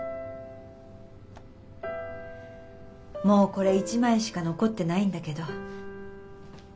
もうこれ１枚しか残ってないんだけど。